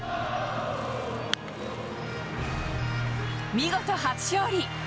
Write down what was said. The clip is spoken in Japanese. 見事初勝利。